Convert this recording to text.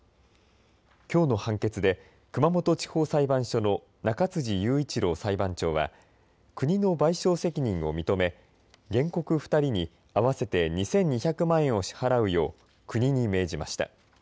きょうの判決で熊本地方裁判所の中辻雄一朗裁判長は国の賠償責任を認め原告２人に合わせて２２００万円を支払うよう国に命じました。